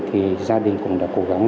thì gia đình cũng đã cố gắng